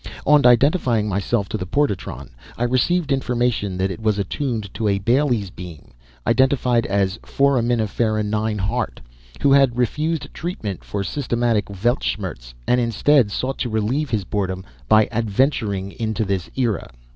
On identifying myself to the portatron, I received information that it was attuned to a Bailey's Beam, identified as Foraminifera 9 Hart, who had refused treatment for systemic weltschmerz and instead sought to relieve his boredom by adventuring into this era.